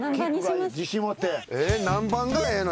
何番がええの？